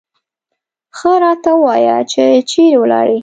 ښه راته ووایه چې چېرې ولاړې.